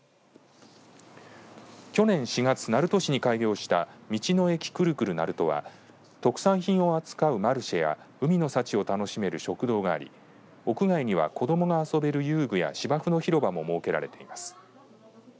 去年４月、鳴門市に開業した道の駅くるくるなるとは特産品を扱うマルシェや海の幸を楽しめる食堂があり屋外には子どもが遊べる遊具や芝生の広場も設けられています。